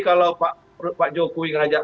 kalau pak jokowi ngajak